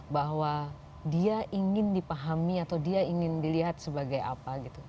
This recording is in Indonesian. bahwa dia ingin dipahami atau dia ingin dilihat sebagai apa gitu